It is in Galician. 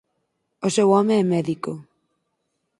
O seu home é médico.